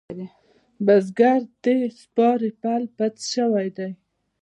بزگر د سپارې پال پس شوی دی.